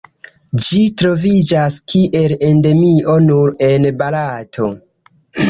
Ĝi troviĝas kiel Endemio nur en Barato.